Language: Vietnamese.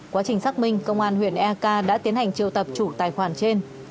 quá trình xác minh công an huyện eak đã tiến hành triều tập chủ tài khoản trên